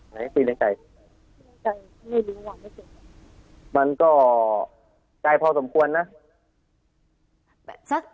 ไกลมันก็ไกลพอสมควรนะ